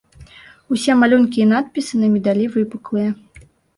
Усе малюнкі і надпісы на медалі выпуклыя.